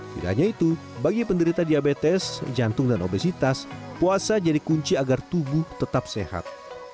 tidak hanya itu bagi penderita diabetes jantung dan obesitas puasa jadi kunci agar tubuh tetap sehat